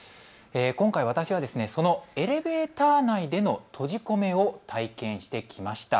今回、私は、そのエレベーター内での閉じ込めを体験してきました。